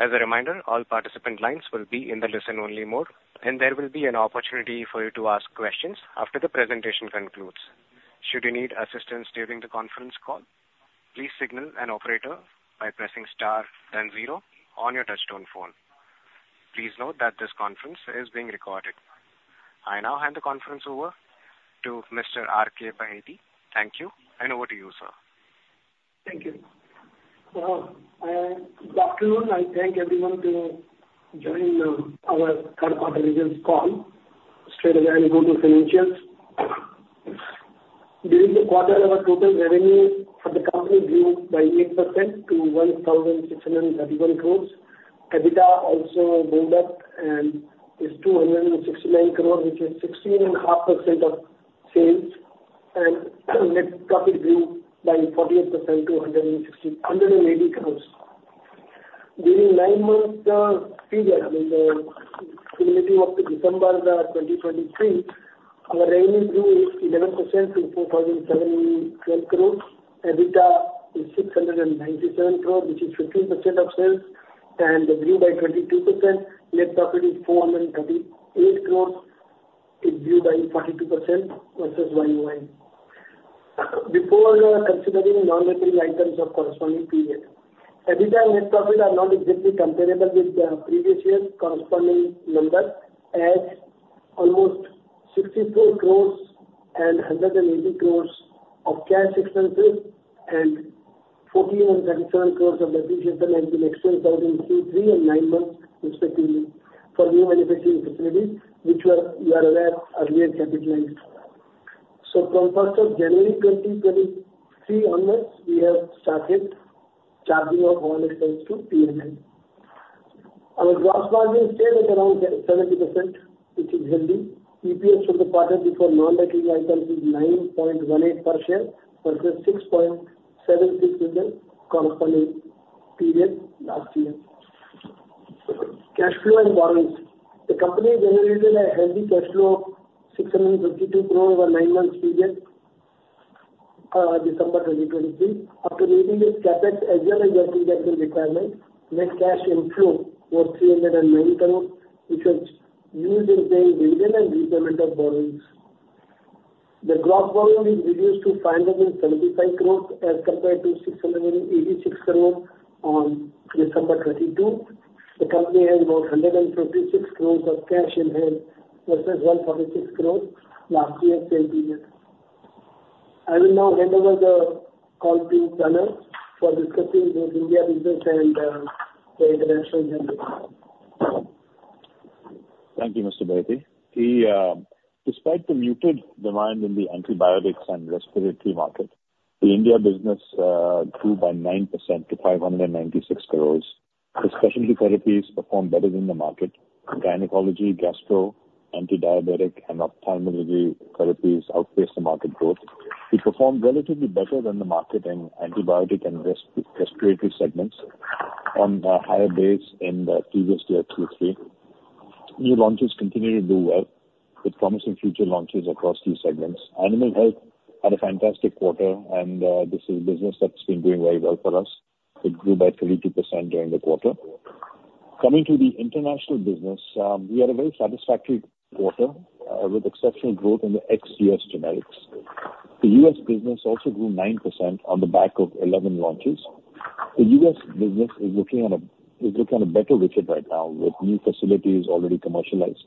As a reminder, all participant lines will be in the listen-only mode, and there will be an opportunity for you to ask questions after the presentation concludes. Should you need assistance during the conference call, please signal an operator by pressing star then zero on your touchtone phone. Please note that this conference is being recorded. I now hand the conference over to Mr. R.K. Baheti. Thank you, and over to you, sir. Thank you. Well, good afternoon, I thank everyone to join our third quarter results call. Straightaway, I'll go to financials. During the quarter, our total revenue for the company grew by 8% to 1,631 crore. EBITDA also went up and is 269 crore, which is 16.5% of sales, and net profit grew by 48% to 168 crore. During nine months period, I mean the cumulative up to December 2023, our revenue grew 11% to 4,712 crore. EBITDA is 697 crore, which is 15% of sales and grew by 22%. Net profit is 438 crore, it grew by 42% versus Y-on-Y. Before considering non-recurring items of corresponding period, EBITDA and net profit are not exactly comparable with the previous year's corresponding number, as almost 64 crore and 180 crore of cash expenses and 1,437 crore of depreciation and in exchange 1,003 and 9 months, respectively, for new manufacturing facilities, which were, you are aware, earlier capitalized. So from first of January 2023 onwards, we have started charging of all expense to P&L. Our gross margin stayed at around 70%, which is healthy. EPS for the quarter before non-recurring items is 9.18 per share versus 6.76 in the corresponding period last year. Cash flow and borrowings. The company generated a healthy cash flow, 652 crore over 9 months period, December 2023. After meeting its CapEx as well as working capital requirements, net cash inflow was 309 crores, which was used in paying dividend and repayment of borrowings. The gross borrowing is reduced to 575 crores as compared to 686 crores on December 2022. The company has about 156 crores of cash in hand versus 146 crores last year same period. I will now hand over the call to Shaunak Amin for discussing the India business and the international business. Thank you, Mr. Baheti. The, despite the muted demand in the antibiotics and respiratory market, the India business grew by 9% to 596 crore. The specialty therapies performed better than the market. Gynecology, gastro, anti-diabetic and ophthalmology therapies outpaced the market growth. We performed relatively better than the market in antibiotic and respiratory segments on the higher base in the previous year, 2023. New launches continue to do well, with promising future launches across these segments. Animal Health had a fantastic quarter, and this is a business that's been doing very well for us. It grew by 32% during the quarter. Coming to the international business, we had a very satisfactory quarter with exceptional growth in the ex-US generics. The US business also grew 9% on the back of 11 launches. The US business is looking on a better wicket right now, with new facilities already commercialized.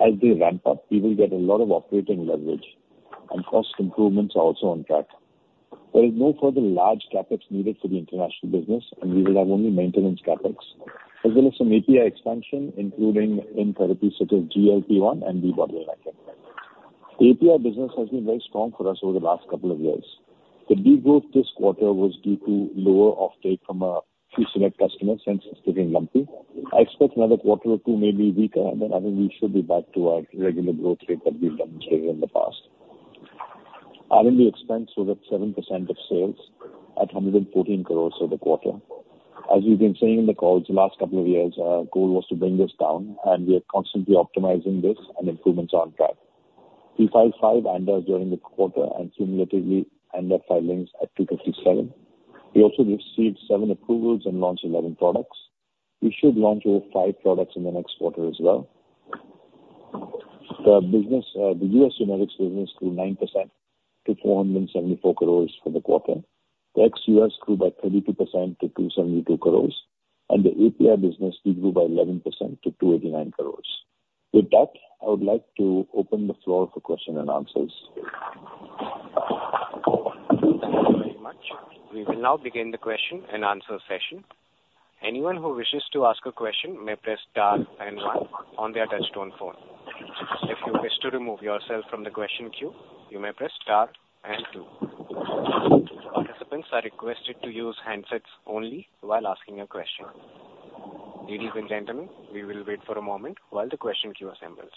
As they ramp up, we will get a lot of operating leverage and cost improvements are also on track. There is no further large CapEx needed for the international business, and we will have only maintenance CapEx, as well as some API expansion, including in therapies such as GLP-1 and bevacizumab. The API business has been very strong for us over the last couple of years. The de-growth this quarter was due to lower offtake from a few select customers and sustained lumpy. I expect another quarter or two may be weaker, and then I think we should be back to our regular growth rate that we've demonstrated in the past. R&D expenses were at 7% of sales at 114 crore for the quarter. As we've been saying in the calls the last couple of years, our goal was to bring this down, and we are constantly optimizing this and improvements are on track. We filed 5 ANDAs during the quarter and cumulatively end up filings at 257. We also received 7 approvals and launched 11 products. We should launch over 5 products in the next quarter as well. The business, the US generics business grew 9% to 474 crores for the quarter. The ex-US grew by 32% to 272 crores, and the API business did grow by 11% to 289 crores. With that, I would like to open the floor for question and answers. Thank you very much. We will now begin the question and answer session. Anyone who wishes to ask a question may press star and one on their touchtone phone. If you wish to remove yourself from the question queue, you may press star and two. Participants are requested to use handsets only while asking a question. Ladies and gentlemen, we will wait for a moment while the question queue assembles.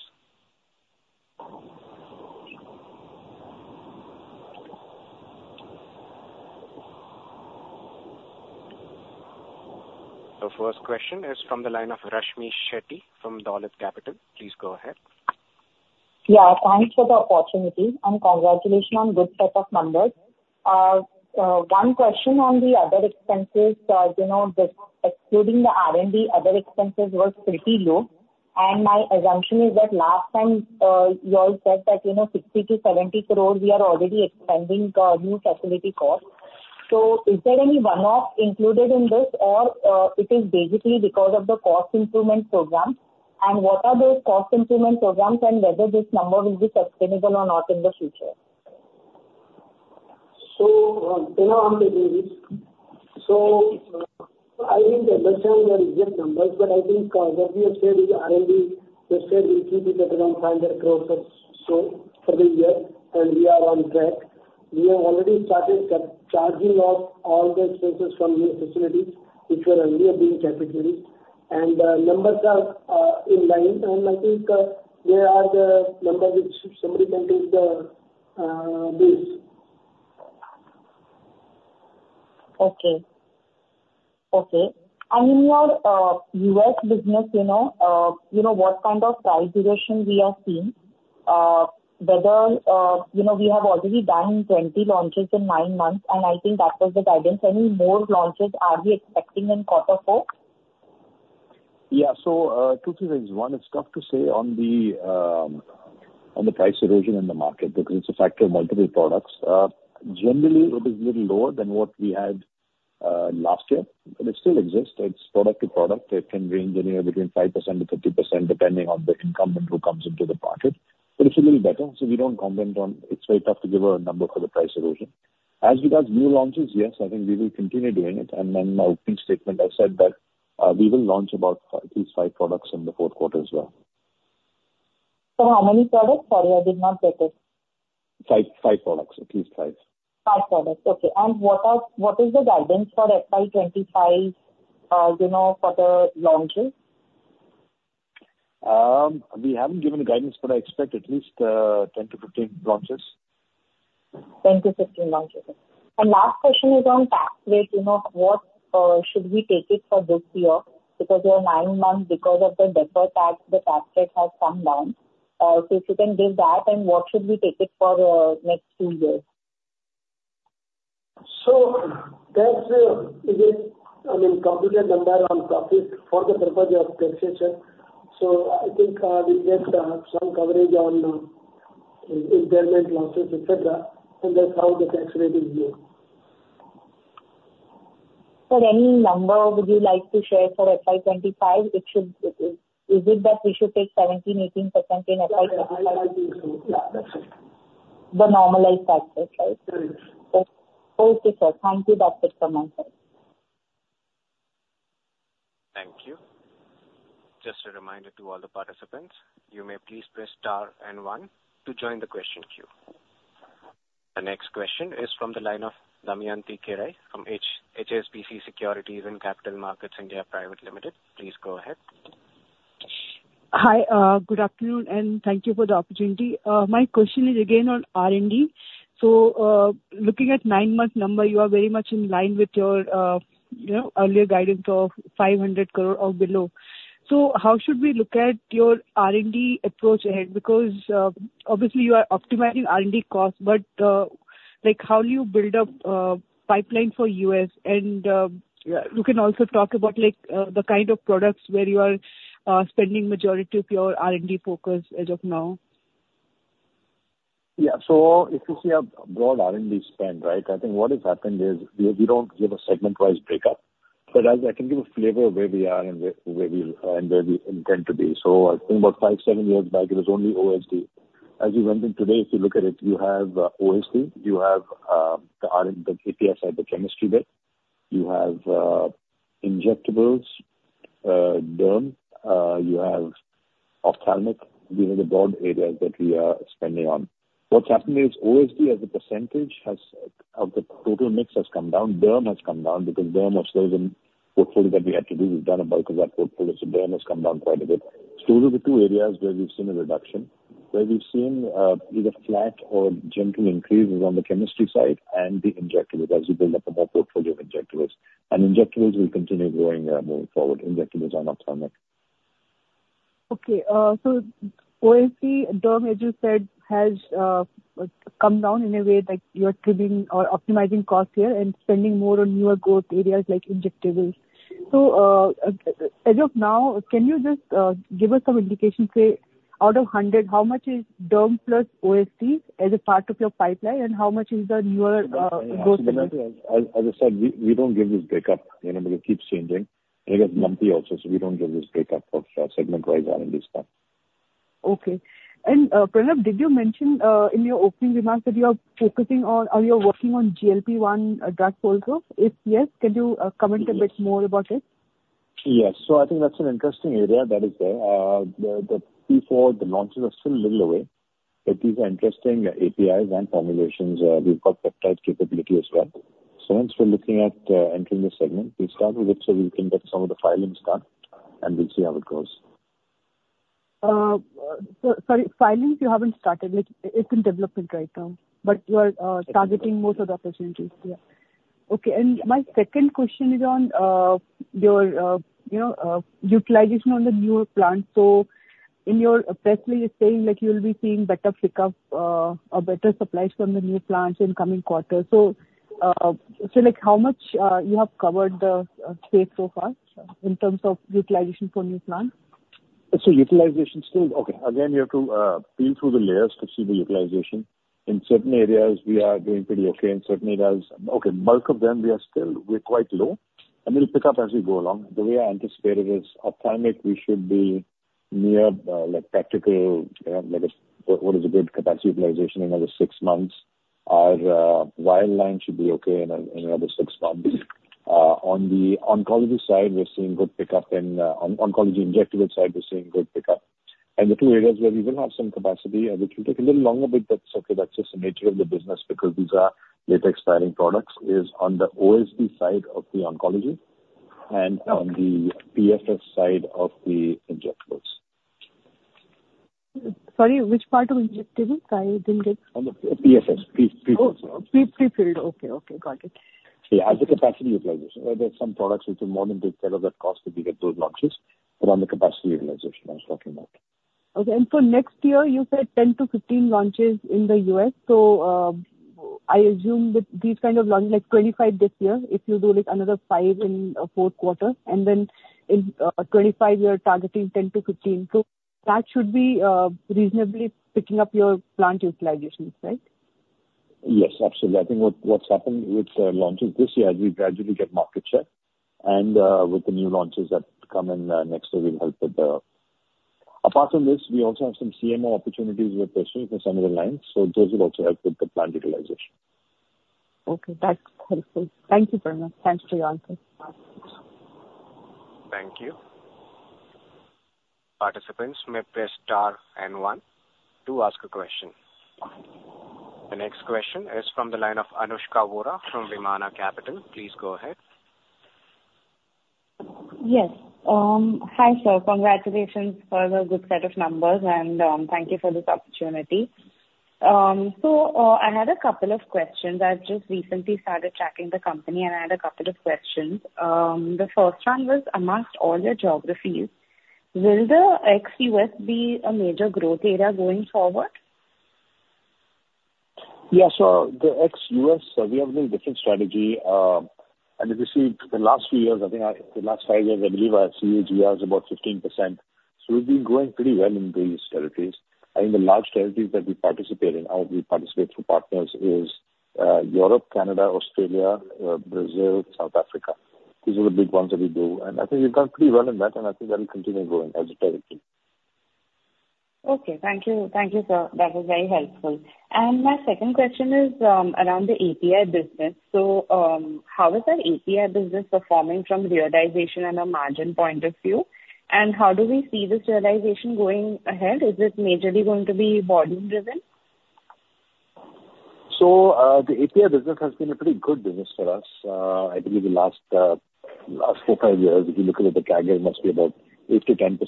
The first question is from the line of Rashmmi Shetty from Dolat Capital. Please go ahead. Yeah, thanks for the opportunity, and congratulations on good set of numbers. One question on the other expenses. You know, just excluding the R&D, other expenses were pretty low, and my assumption is that last time, you all said that, you know, 60 crore-70 crore we are already expanding the new facility cost. So is there any one-off included in this or, it is basically because of the cost improvement program? And what are those cost improvement programs, and whether this number will be sustainable or not in the future? So, you know, I'm taking this. So I think the numbers are exact numbers, but I think what we have said is R&D, we said we'll keep it at around 500 crore or so for the year, and we are on track. We have already started charging off all the expenses from new facilities, which were earlier being capitalized. And the numbers are in line, and I think they are the numbers which somebody can take the base. Okay. Okay. And in your US business, you know, you know what kind of price duration we are seeing? Whether, you know, we have already done 20 launches in nine months, and I think that was the guidance. Any more launches are we expecting in quarter four? Yeah. So, two things. One, it's tough to say on the, on the price erosion in the market, because it's a factor of multiple products. Generally, it is little lower than what we had, last year, but it still exists. It's product to product. It can range anywhere between 5% to 50%, depending on the incumbent who comes into the market. But it's a little better, so we don't comment on it. It's very tough to give a number for the price erosion. As regards new launches, yes, I think we will continue doing it. And then my opening statement, I said that, we will launch about at least 5 products in the fourth quarter as well. How many products? Sorry, I did not get it. Five, five products. At least five. Five products, okay. And what is the guidance for FY 25, you know, for the launches? We haven't given the guidance, but I expect at least 10-15 launches. 10-15 launches. Last question is on tax rate. You know, what should we take it for this year? Because you are 9 months because of the deferred tax, the tax rate has come down. So if you can give that, and what should we take it for, next 2 years? So that's a, I mean, complicated number on profit for the purpose of calculation. So I think we get some coverage on impairment losses, et cetera, and that's how the tax rate is here. Any number would you like to share for FY 25? It should, is it that we should take 17% to 18% in FY 25? Yeah, that's it. The normalized tax rate, right? Yes. Okay. Okay, sir. Thank you so much, sir. Thank you. Just a reminder to all the participants, you may please press star and one to join the question queue. The next question is from the line of Damayanti Kerai from HSBC Securities and Capital Markets (India) Private Limited. Please go ahead. Hi, good afternoon, and thank you for the opportunity. My question is again on R&D. So, looking at 9-month number, you are very much in line with your, you know, earlier guidance of 500 crore or below. So how should we look at your R&D approach ahead? Because, obviously, you are optimizing R&D costs, but, like, how do you build up a pipeline for US? And, you can also talk about, like, the kind of products where you are, spending majority of your R&D focus as of now. Yeah. So if you see a broad R&D spend, right, I think what has happened is we don't give a segment-wise breakup. But I can give a flavor of where we are and where we intend to be. So I think about 5-7 years back, it was only OSD. As we went in today, if you look at it, you have OSD, you have the R&D, the API, the chemistry bit, you have injectables, derm, you have ophthalmic. These are the broad areas that we are spending on. What's happening is OSD, as a percentage, has of the total mix come down. Derm has come down because derm was always a portfolio that we had to do. We've done a bulk of that portfolio, so derm has come down quite a bit. So those are the two areas where we've seen a reduction. Where we've seen, either flat or gentle increases is on the chemistry side and the injectables, as we build up a more portfolio of injectables. And injectables will continue growing, moving forward. Injectables and ophthalmic. Okay, so OSD, derm, as you said, has come down in a way that you are trimming or optimizing costs here and spending more on newer growth areas like injectables. So, as of now, can you just give us some indication, say, out of 100, how much is derm plus OSD as a part of your pipeline, and how much is the newer growth areas? As I said, we don't give this breakup, you know, because it keeps changing, and it is lumpy also, so we don't give this breakup of segment-wise R&D spend. Okay. And, Pranav, did you mention in your opening remarks that you are focusing on or you're working on GLP-1 drug also? If yes, can you comment a bit more about it? Yes. So I think that's an interesting area that is there. The, the P4, the launches are still little away, but these are interesting APIs and formulations. We've got peptide capability as well. So yes, we're looking at entering this segment. We'll start with it, so we can get some of the filings done, and we'll see how it goes. So sorry, filings you haven't started. It, it's in development right now, but you are targeting most of the opportunities here? Okay, and my second question is on your you know utilization on the newer plant. So in your press release, saying that you'll be seeing better pick-up or better supplies from the new plants in coming quarters. So so like, how much you have covered the space so far in terms of utilization for new plant? Utilization still—okay, again, you have to peel through the layers to see the utilization. In certain areas, we are doing pretty okay. In certain areas, okay, bulk of them, we are still, we're quite low, and we'll pick up as we go along. The way I anticipate it is, our timeline, we should be near, like, practical, like, what is a good capacity utilization another six months. Our line line should be okay in a, in another six months. On the oncology side, we're seeing good pick-up and, on oncology injectable side, we're seeing good pick-up. The two areas where we will have some capacity, which will take a little longer, but that's okay, that's just the nature of the business, because these are later expiring products, is on the OSD side of the oncology and on the PFS side of the injectables. Sorry, which part of injectable? I didn't get... On the PFS. Oh, PFS prefilled. Okay, okay, got it. Yeah, as far as capacity utilization, there are some products which are more than take care of that cost that we get those launches, but on the capacity utilization, I was talking about. Okay, and so next year you said 10-15 launches in the US, so I assume that these kind of launches, like 25 this year, if you do like another 5 in fourth quarter, and then in 2025, you are targeting 10-15. So that should be reasonably picking up your plant utilizations, right? Yes, absolutely. I think what's happened with the launches this year, as we gradually get market share and with the new launches that come in next year will help with the... Apart from this, we also have some CMO opportunities with this with some of the lines, so those will also help with the plant utilization. Okay, that's helpful. Thank you very much. Thanks for your answer. Thank you. Participants may press star and one to ask a question. The next question is from the line of Anushka Vora from Vimana Capital. Please go ahead. Yes. Hi, sir. Congratulations for the good set of numbers, and, thank you for this opportunity. So, I had a couple of questions. I've just recently started tracking the company, and I had a couple of questions. The first one was, among all your geographies, will the ex-US be a major growth area going forward? Yeah, so the ex-US, so we have a different strategy. And if you see the last few years, I think the last five years, I believe our CAGR is about 15%. So we've been growing pretty well in these territories. I think the large territories that we participate in, or we participate through partners, is Europe, Canada, Australia, Brazil, South Africa. These are the big ones that we do, and I think we've done pretty well in that, and I think that will continue growing as a territory. Okay. Thank you. Thank you, sir. That was very helpful. And my second question is around the API business. So, how is our API business performing from realization and a margin point of view? And how do we see this realization going ahead? Is it majorly going to be volume driven? So, the API business has been a pretty good business for us. I believe the last four, five years, if you look at the CAGR, must be about 8% to 10%.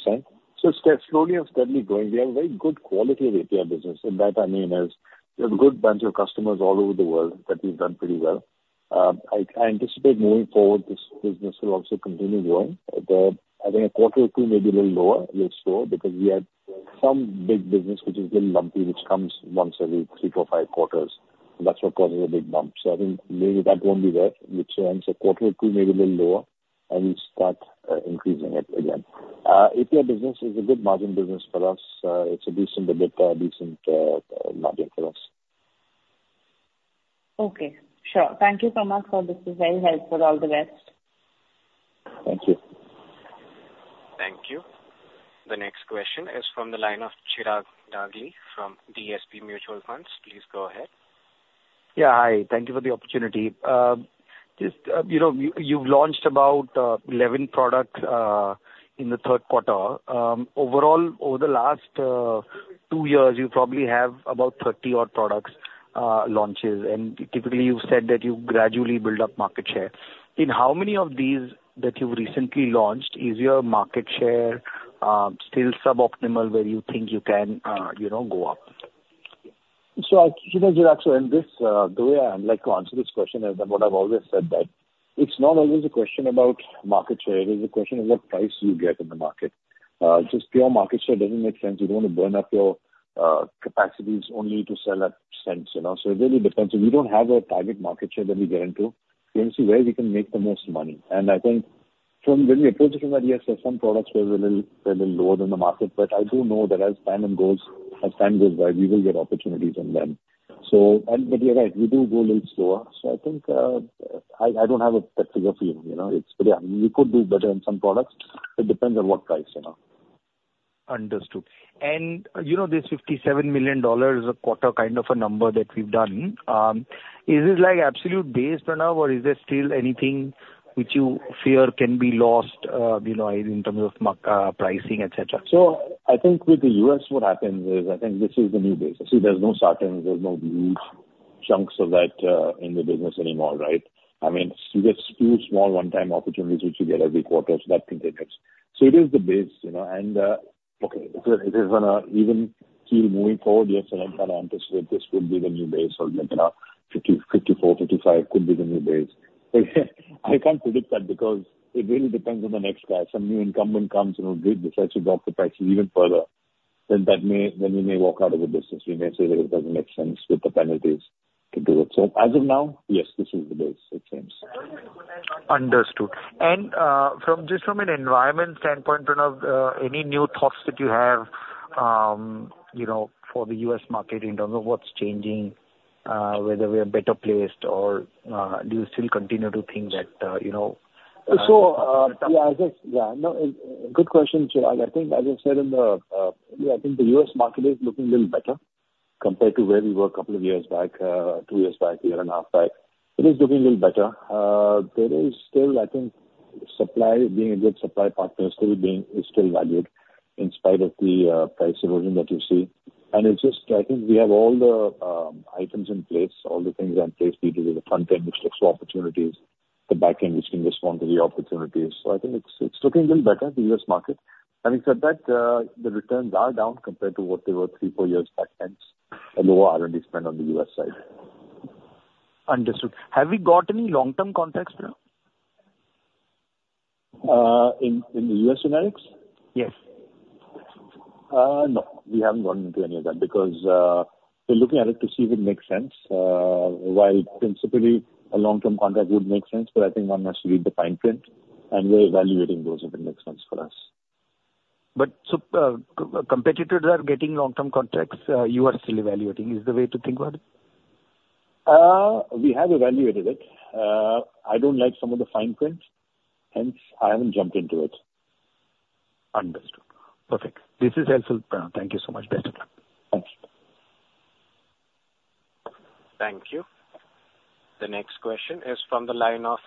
So it's slowly and steadily growing. We have a very good quality of API business, and that, I mean, is we have a good bunch of customers all over the world that we've done pretty well. I anticipate moving forward, this business will also continue growing. I think a quarter or two may be a little lower, a little slow, because we had some big business which is a little lumpy, which comes once every three, four, five quarters. That's what causes a big bump. So I think maybe that won't be there, which ends a quarter or two, maybe a little lower, and we start increasing it again. API business is a good margin business for us. It's a decent, a bit, decent, margin for us. Okay, sure. Thank you so much, sir. This is very helpful. All the best. Thank you. Thank you. The next question is from the line of Chirag Dagli from DSP Mutual Fund. Please go ahead. Yeah. Hi, thank you for the opportunity. Just, you know, you've launched about 11 products in the third quarter. Overall, over the last 2 years, you probably have about 30-odd product launches, and typically, you've said that you gradually build up market share. In how many of these that you've recently launched is your market share still suboptimal, where you think you can, you know, go up? So, you know, Chirag, in this, the way I would like to answer this question is, and what I've always said, that it's not always a question about market share; it is a question of what price you get in the market. Just pure market share doesn't make sense. You don't want to burn up your capacities only to sell at cents, you know. So it really depends. We don't have a target market share that we get into. We want to see where we can make the most money. And I think from when we approach this idea, there's some products where we're a little lower than the market, but I do know that as time goes by, we will get opportunities in them. But you're right, we do go a little slower. I think I don't have a specific feeling, you know? It's yeah, we could do better in some products. It depends on what price, you know. Understood. You know, this $57 million a quarter kind of a number that we've done, is it like absolute base for now, or is there still anything which you fear can be lost, you know, in terms of pricing, et cetera? So I think with the US, what happens is, I think this is the new base. So there's no certain, there's no huge chunks of that, in the business anymore, right? I mean, you get two small one-time opportunities, which you get every quarter, so that can take it. So it is the base, you know, and, okay, if it, if it's gonna even keep moving forward, yes, and I kind of anticipate this would be the new base or, you know, $50, $54, $55 could be the new base. I can't predict that because it really depends on the next guy. Some new incumbent comes and decides to drop the prices even further, then that may, then we may walk out of the business. We may say that it doesn't make sense with the penalties to do it. As of now, yes, this is the base it seems. Understood. From just an environment standpoint, Pranav, any new thoughts that you have, you know, for the US market in terms of what's changing, whether we are better placed or, do you still continue to think that, you know... So, good question, Chirag. I think as I said in the, I think the US market is looking a little better compared to where we were a couple of years back, two years back, a year and a half back. It is looking a little better. There is still, I think, supply being a good supply partner, still being, is still valued in spite of the price erosion that you see. And it's just, I think we have all the items in place, all the things in place, be it with the front end, which looks for opportunities, the back end, which can respond to the opportunities. So I think it's looking a little better, the US market. Having said that, the returns are down compared to what they were three, four years back, hence a lower R&D spend on the US side. Understood. Have we got any long-term contracts, Pranav? In the US generics? Yes. No, we haven't gotten into any of that because we're looking at it to see if it makes sense. While principally a long-term contract would make sense, but I think one has to read the fine print, and we're evaluating those if it makes sense for us. But so, competitors are getting long-term contracts, you are still evaluating, is the way to think about it? We have evaluated it. I don't like some of the fine prints, hence I haven't jumped into it. Understood. Perfect. This is helpful, Pranav. Thank you so much. Best of luck. Thanks. Thank you. The next question is from the line of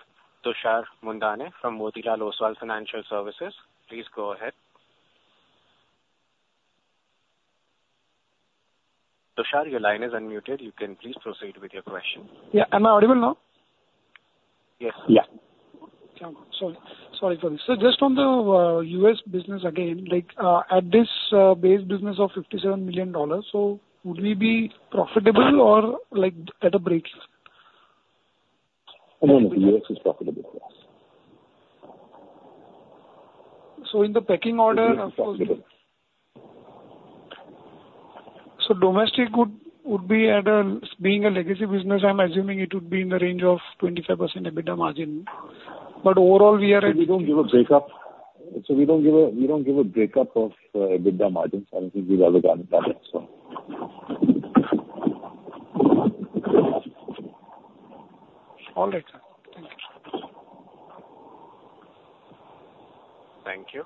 Tushar Manudhane from Motilal Oswal Financial Services. Please go ahead. Tushar, your line is unmuted. You can please proceed with your question. Yeah. Am I audible now? Yes. Yeah. Okay. Sorry, sorry for this. So just on the US business again, like, at this base business of $57 million, so would we be profitable or, like, at a break-even? No, no, the US is profitable for us. So in the pecking order... The US is profitable. So domestic would be, being a legacy business, I'm assuming it would be in the range of 25% EBITDA margin. But overall, we are at... So we don't give a breakup of EBITDA margins. I don't think we've ever done that, so. All right, sir. Thank you. Thank you.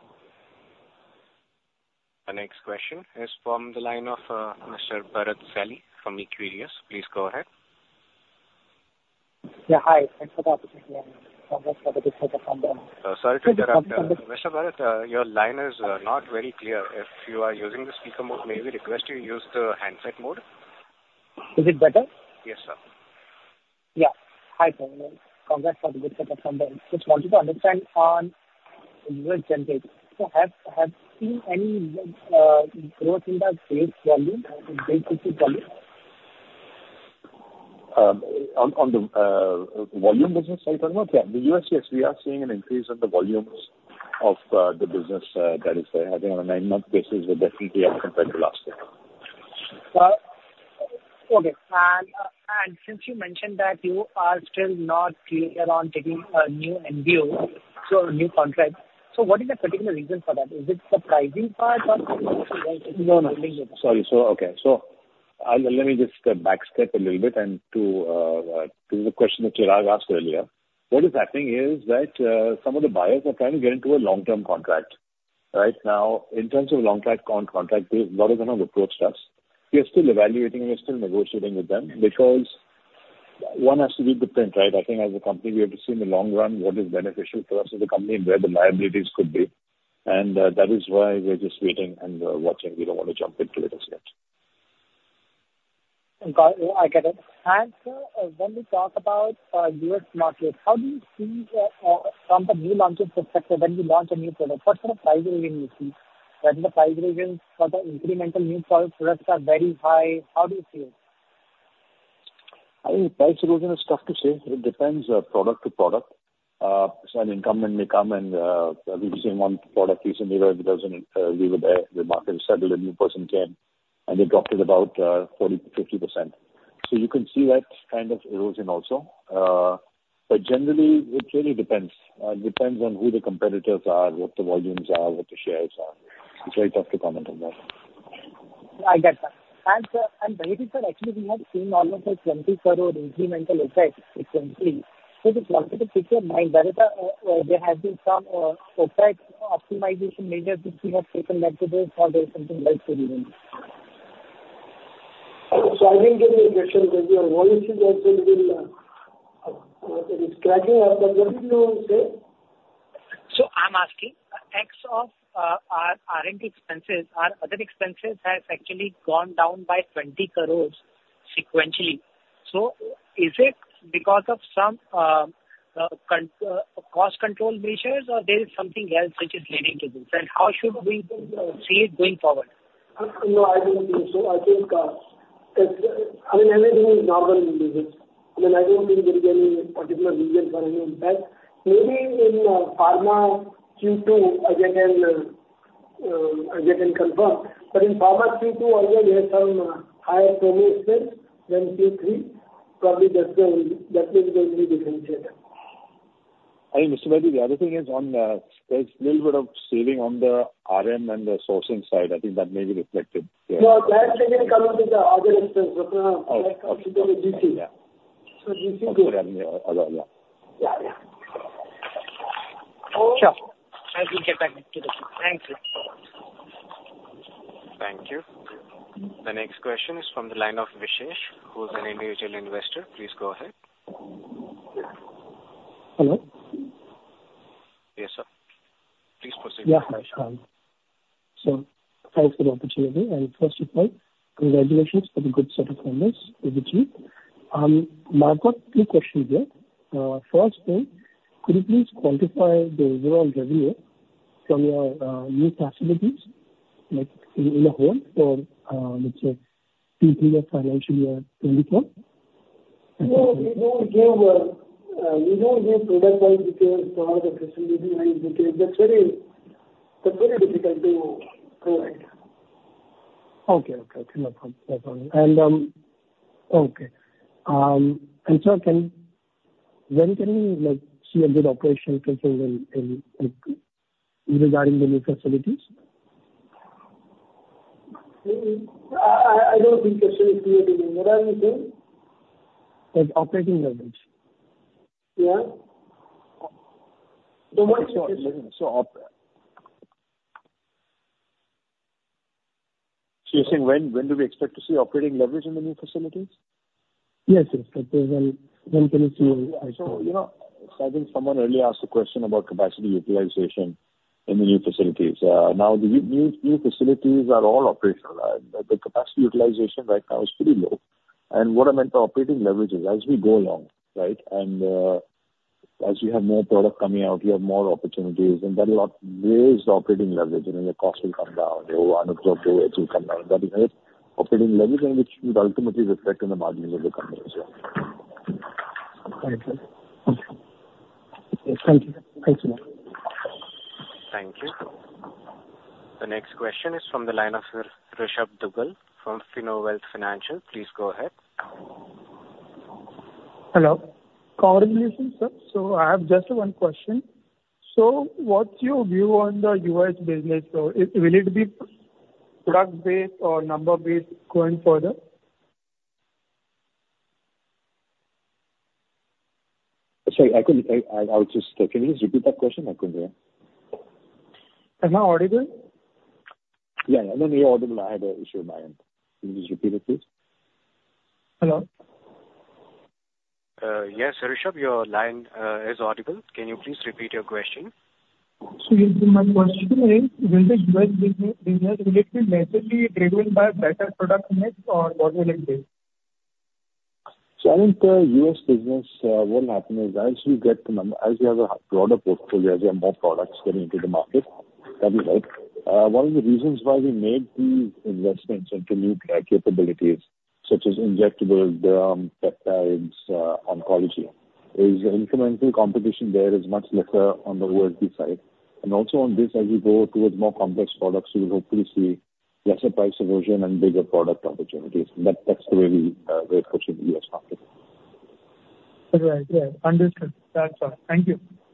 The next question is from the line of Mr. Bharat Celly from Equirus. Please go ahead. Yeah, hi. Thanks for the opportunity and congrats for the good quarter from them. Sorry to interrupt. Mr. Bharat, your line is not very clear. If you are using the speaker mode, may we request you use the handset mode? Is it better? Yes, sir. Yeah. Hi, Pranav. Congrats for the good quarter from them. Just wanted to understand on US generics, so have you seen any growth in the base volume, base business volume? On the volume business side? No. Yeah, the US, yes, we are seeing an increase in the volumes of the business that is there. I think on a nine-month basis, we're definitely up compared to last year. Okay. Since you mentioned that you are still not clear on taking a new GPO, so a new contract, so what is the particular reason for that? Is it the pricing part or... No, no. Sorry. So, okay, so I'll, let me just, backstep a little bit and to the question that Chirag asked earlier. What is happening is that some of the buyers are trying to get into a long-term contract. Right now, in terms of long-term contract, a lot of them have approached us. We are still evaluating, we are still negotiating with them because one has to read the print, right? I think as a company, we have to see in the long run what is beneficial to us as a company and where the liabilities could be. And that is why we are just waiting and watching. We don't want to jump into it as yet. Okay. I get it. And sir, when we talk about US markets, how do you see from the new launches perspective, when you launch a new product, what sort of price erosion you see? When the price erosion for the incremental new products are very high, how do you see it? I think price erosion is tough to say. It depends, product to product. So an incumbent may come and, we've seen one product recently where it doesn't, we were there, the market was settled, a new person came, and they dropped it about, 40% to 50%. So you can see that kind of erosion also. But generally, it really depends. It depends on who the competitors are, what the volumes are, what the shares are. It's very tough to comment on that. I get that. And sir, and Bharat sir, actually, we have seen all of 20 crore incremental OpEx recently. So just wanted to get a picture in mind, whether there has been some OpEx optimization measures which we have taken that would cause something like this even? I think there's an impression that your volumes have been really scratching after... What do you say? So I'm asking, as of our R&D expenses, our other expenses has actually gone down by 20 crore. sequentially. So is it because of some cost control measures or there is something else which is leading to this? And how should we see it going forward? No, I don't think so. I think, it's, I mean, everything is normal in business. I mean, I don't think there is any particular reason for any impact. Maybe in, pharma, second quarter, as I can confirm, but in pharma second quarter, already had some higher promotion than third quarter, probably that's the only, that is the only differentiator. Mr. Baheti, the other thing is on the, there's little bit of saving on the RM and the sourcing side. I think that may be reflected. No, that again comes with the other expense. Oh, okay. Yeah. Yeah. Yeah, yeah. Sure. I will get back to this. Thank you. Thank you. The next question is from the line of Vishesh, who is an individual investor. Please go ahead. Hello? Yes, sir. Please proceed. Yeah. Hi, sir. So thanks for the opportunity, and first of all, congratulations for the good set of numbers, third quarter. I've got two questions here. First one, could you please quantify the overall revenue from your new facilities, like, in the whole for, let's say, third quarter of financial year 2024? No, we don't give product line detail or facility line detail. That's very difficult to provide. Okay, okay. No problem. And, okay. And sir, when can we, like, see a good operational control in regarding the new facilities? I don't think the question is clear to me. What are you saying? Like, operating leverage. Yeah. The one... So you're saying, when do we expect to see operating leverage in the new facilities? Yes, yes. Like, when, when can we see... So, you know, so I think someone earlier asked a question about capacity utilization in the new facilities. Now, the new, new facilities are all operational. The capacity utilization right now is pretty low. And what I meant by operating leverage is as we go along, right, and, as you have more product coming out, you have more opportunities, and there are lot ways to operating leverage. I mean, the cost will come down, the unused capacity will come down. That is operating leverage, and which would ultimately reflect in the margins of the company as well. Thank you. Thank you. Thank you. Thank you. The next question is from the line of Sir Rishabh Dugar from Fino Wealth Financial. Please go ahead. Hello. Congratulations, sir. I have just one question. What's your view on the US business? Will it be product based or number based going further? Sorry, I couldn't... I was just, can you just repeat that question? I couldn't hear. Am I audible? Yeah. No, you're audible. I had an issue on my end. Can you just repeat it, please? Hello? Yes, Rishabh, your line is audible. Can you please repeat your question? My question is, will the US business, will it be naturally driven by better product mix or what will it be? I think, US business, what will happen is as we get the number, as we have a broader portfolio, as we have more products getting into the market, that'll help. One of the reasons why we made these investments into new capabilities, such as injectables, peptides, oncology, is the incremental competition there is much lesser on the OT side. And also on this, as we go towards more complex products, we will hopefully see lesser price erosion and bigger product opportunities. That's the way we approach the US market. Right. Yeah. Understood. That's all. Thank you.